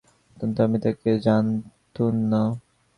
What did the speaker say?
অন্তত আমি তাকে জানতুন না।